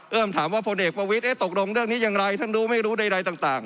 เริ่มถามว่าพลเอกประวิทย์ตกลงเรื่องนี้อย่างไรท่านรู้ไม่รู้ใดต่าง